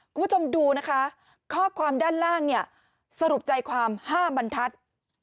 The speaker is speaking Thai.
คุณผู้ชมดูนะคะข้อความด้านล่างเนี่ยสรุปใจความ๕บรรทัศน์